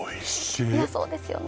いやそうですよね